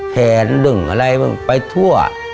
แขนดึงอะไรไปทั่ว